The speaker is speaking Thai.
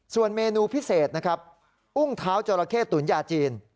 ส่วนเมนูพิเศษนะครับอุ้งเท้าจราเข้ตุ๋นยาจีน